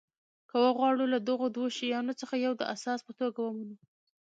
که وغواړو له دغو دوو شیانو څخه یو د اساس په توګه ومنو.